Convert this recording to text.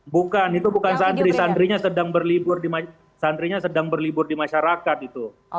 bukan itu bukan santri santrinya sedang berlibur di masyarakat itu